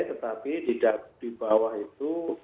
tetapi di bawah itu